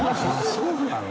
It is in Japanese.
そうなの？